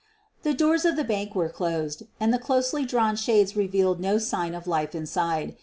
The doors of the bank were closed and the closely drawn shades revealed no sign of life inside.